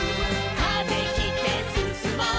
「風切ってすすもう」